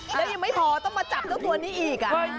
แล้วยังไม่พอต้องมาจับเจ้าตัวนี้อีก